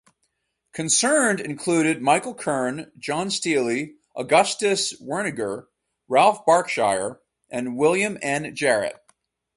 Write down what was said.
Concerned included Michael Kern, John Steally, Augustus Werninger, Ralph Barkshire, and William N. Jarrett.